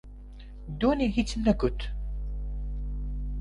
دوێنێ، ھیچم نەگوت.